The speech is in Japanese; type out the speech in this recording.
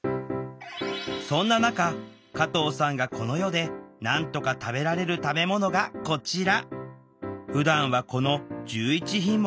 そんな中加藤さんがこの世でなんとか食べられる食べ物がこちら。